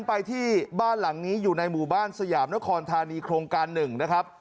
ไปที่บ้านหลังนี้อยู่ในหมู่บ้านสยามนครธานีโครงการหนึ่งนะครับ